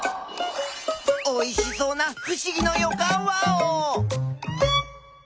おいしそうなふしぎのよかんワオ！